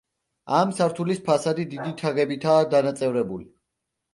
ამ სართულის ფასადი დიდი თაღებითა დანაწევრებული.